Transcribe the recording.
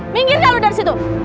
minggirkan lu dari situ